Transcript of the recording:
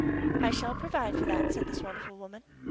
"I shall provide for that," said this wonderful woman.